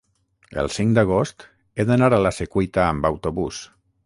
el cinc d'agost he d'anar a la Secuita amb autobús.